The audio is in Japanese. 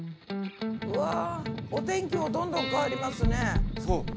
うわっお天気もどんどん変わりますね。